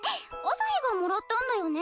朝陽がもらったんだよね？